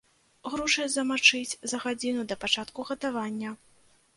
Грушы замачыць за гадзіну да пачатку гатавання.